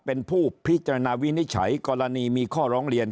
เป็นผู้พิจารณาวินิจฉัยกรณีมีข้อร้องเรียน